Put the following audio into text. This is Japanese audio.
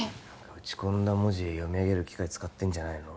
打ち込んだ文字読み上げる機械使ってんじゃないの？